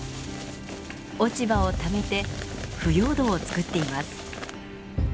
落ち葉をためて腐葉土をつくっています。